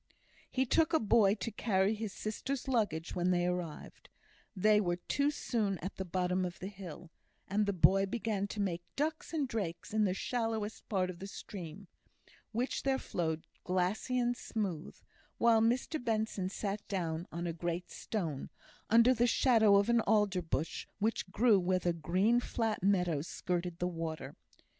He took a boy to carry his sister's luggage when she arrived; they were too soon at the bottom of the hill, and the boy began to make ducks and drakes in the shallowest part of the stream, which there flowed glassy and smooth, while Mr Benson sat down on a great stone, under the shadow of an alder bush which grew where the green, flat meadow skirted the water.